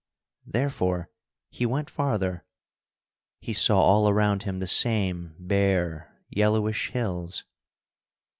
Therefore, he went farther. He saw all around him the same bare, yellowish hills.